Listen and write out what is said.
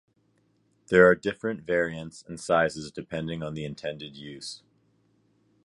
There are different variants and sizes depending on the intended use.